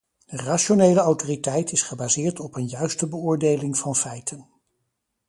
Rationele autoriteit is gebaseerd op een juiste beoordeling van feiten.